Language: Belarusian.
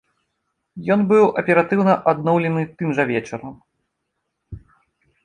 Ён быў аператыўна адноўлены тым жа вечарам.